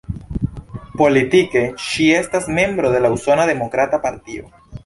Politike ŝi estas membro de la Usona Demokrata Partio.